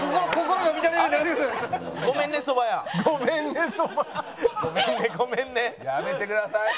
やめてください。